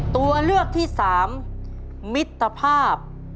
ตัวเลือกที่๓มิตรภาพ